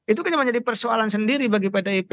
itu kan yang menjadi persoalan sendiri bagi pdip